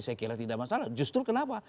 saya kira tidak masalah justru kenapa